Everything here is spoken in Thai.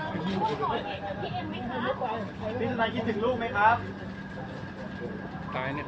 พี่สุนัยคิดถึงลูกไหมครับ